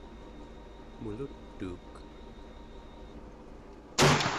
mulut'uuk